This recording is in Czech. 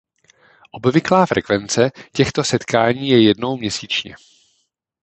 Obvyklá frekvence těchto setkání je jednou měsíčně.